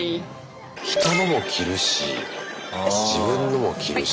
人のも着るし自分のも着るし。